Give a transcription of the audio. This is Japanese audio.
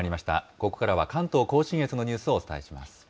ここからは関東甲信越のニュースをお伝えします。